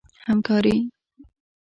همکاري